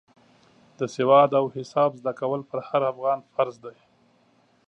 د سواد او حساب زده کول پر هر افغان فرض دی.